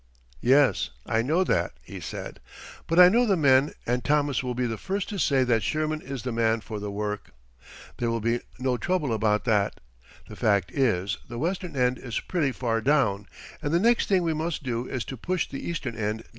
"Yes, I know that," he said, "but I know the men and Thomas will be the first to say that Sherman is the man for the work. There will be no trouble about that. The fact is the western end is pretty far down, and the next thing we must do is to push the eastern end down a little."